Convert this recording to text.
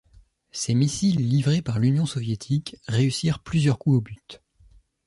Ces missiles livrés par l'Union soviétique réussirent plusieurs coups au but.